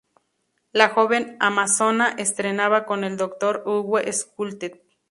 La joven amazona entrenaba con el Dr. Uwe Schulten.